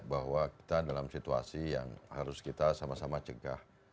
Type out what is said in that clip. bahwa kita dalam situasi yang harus kita sama sama cegah